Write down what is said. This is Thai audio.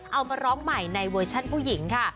เอามาร้องใหม่ในเวอร์ชั่นผู้หญิงค่ะ